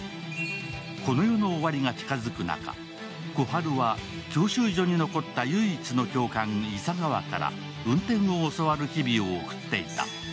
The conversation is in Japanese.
この世の終わりが近づく中小春は教習所に残った唯一の教官、イサガワから運転を教わる日々を送っていた。